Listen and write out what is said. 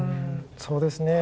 そうですね。